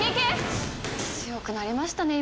強くなりましたね